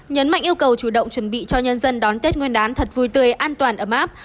nhấn mạnh yêu cầu chủ động chuẩn bị cho nhân dân đón tết nguyên đán thật vui tươi an toàn ấm áp